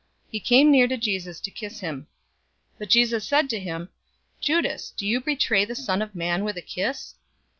He came near to Jesus to kiss him. 022:048 But Jesus said to him, "Judas, do you betray the Son of Man with a kiss?"